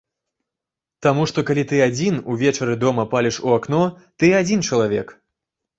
Таму што калі ты адзін, увечары дома паліш у акно,— ты адзін чалавек.